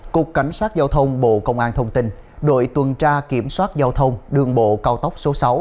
cục cảnh sát giao thông bộ công an thông tin đội tuần tra kiểm soát giao thông đường bộ cao tốc số sáu